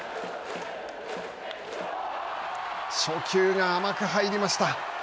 初球が甘く入りました。